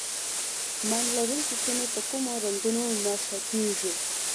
ماین لرونکي سیمې په کومو رنګونو نښه کېږي.